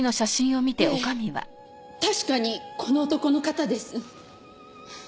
ええ確かにこの男の方です。